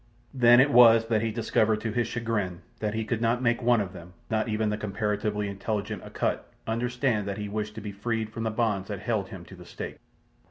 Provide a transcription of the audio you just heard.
Then it was that he discovered to his chagrin that he could not make one of them, not even the comparatively intelligent Akut, understand that he wished to be freed from the bonds that held him to the stake.